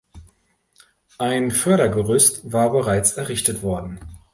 Ein Fördergerüst war bereits errichtet worden.